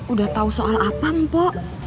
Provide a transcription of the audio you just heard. udah tahu soal apa mpok